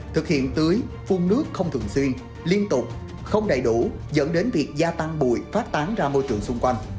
thực hiện tưới phun nước không thường xuyên liên tục không đầy đủ dẫn đến việc gia tăng bụi phát tán ra môi trường xung quanh